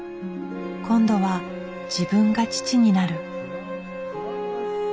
今度は自分が父になる。